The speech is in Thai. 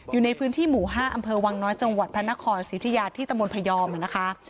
อยู่ในพื้นที่หมู่๕อำเภอวังน้อยจังหวัดพระนครสิทธิยาที่ตะมนต์พยอมนะคะ